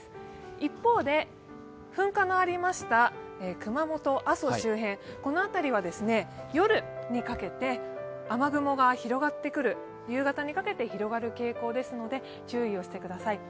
一方で噴火のありました熊本・阿蘇周辺は夜にかけて雨雲が広がってくる、夕方にかけて広がる傾向なので、注意をしてください。